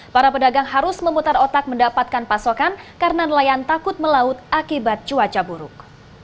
para pedagang harus memutar otak mendapatkan pasokan karena nelayan takut melaut akibat cuaca buruk